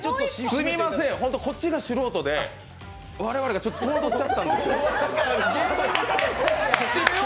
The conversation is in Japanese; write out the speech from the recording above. すみません、本当にこっちが素人で我々が戸惑っちゃったんですよ。